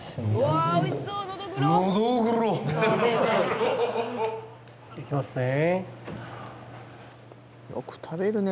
いきますね。